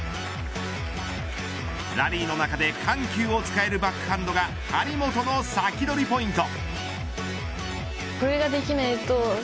ラリーの中で緩急を使えるバックハンドが張本のサキドリポイント。